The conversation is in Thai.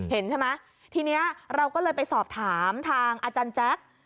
เห็นใช่ไหมทีนี้เราก็เลยไปสอบถามทางอาจารย์แจ๊ค